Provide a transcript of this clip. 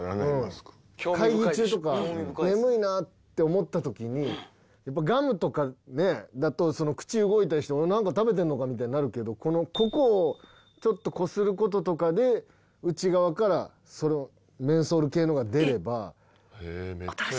会議中とか、眠いなって思ったときに、やっぱガムとかだと、口動いたりして、何か食べてるのかみたいになるけど、この、ここをちょっとこすることとかで、内側から、そのメンソール系のがめっちゃええやん。